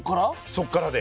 そっからで。